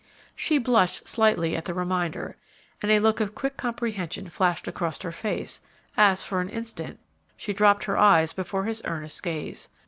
She blushed slightly at the reminder, and a look of quick comprehension flashed across her face, as, for an instant, she dropped her eyes before his earnest gaze.